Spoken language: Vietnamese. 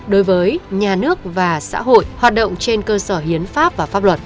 đối với nhà nước và xã hội hoạt động trên cơ sở hiến pháp và pháp luật